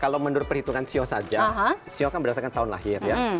kalau menurut perhitungan sio saja sio kan berdasarkan tahun lahir ya